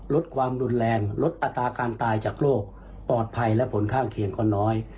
ลดความรุนแรงลดอัตราการตายจากโรคปลอดภัยและผลข้างเคียงก็น้อย